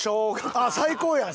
あっ最高やん！